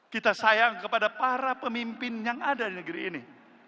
kita sayang kepada para pemimpin yang ada di negeri ini